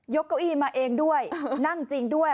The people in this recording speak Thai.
เก้าอี้มาเองด้วยนั่งจริงด้วย